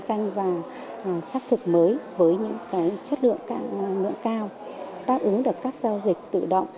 danh và xác thực mới với những chất lượng nữ cao đáp ứng được các giao dịch tự động